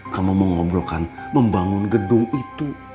kamu mau ngobrolkan membangun gedung itu